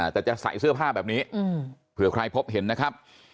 แต่จะใส่เสื้อผ้าแบบนี้เผื่อใครพบเห็นนะครับ